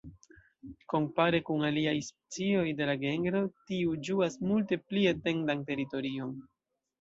Kompare kun aliaj specioj de la genro, tiu ĝuas multe pli etendan teritorion.